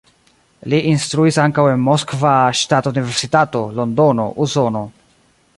Li instruis ankaŭ en Moskva Ŝtata Universitato, Londono, Usono.